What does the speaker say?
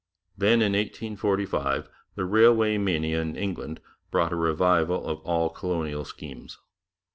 Then in 1845 the railway mania in England brought a revival of all colonial schemes.